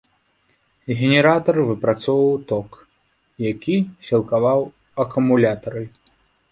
Генератар выпрацоўваў ток, які сілкаваў акумулятары.